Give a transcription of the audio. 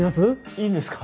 いいんですか？